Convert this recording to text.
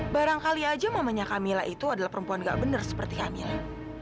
barangkali aja mamanya kamila itu adalah perempuan nggak benar seperti kamila